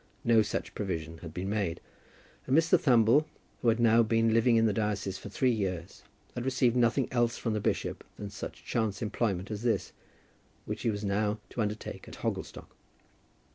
No such provision had been made, and Mr. Thumble, who had now been living in the diocese for three years, had received nothing else from the bishop than such chance employment as this which he was now to undertake at Hogglestock.